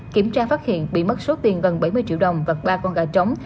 kiểm tra phát hiện bị mất số tiền gần bảy mươi triệu đồng và ba con gà trống